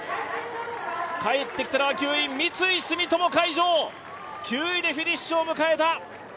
帰ってきたのは三井住友海上、９位でフィニッシュを迎えた。